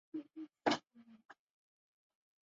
指令集的分类